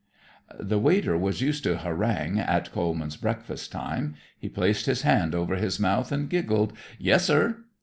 The waiter was used to a harangue at Coleman's breakfast time. He placed his hand over his mouth and giggled. "Yessir."